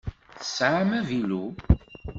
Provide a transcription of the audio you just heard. Tesɛam avilu?